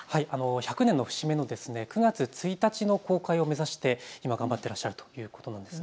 １００年の節目の９月１日の公開を目指して今頑張っいらっしゃるということです。